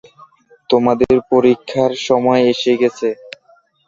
তোমাদের পরীক্ষার সময় এসে গেছে।